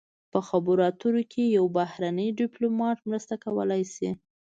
په خبرو اترو کې یو بهرنی ډیپلومات مرسته کولی شي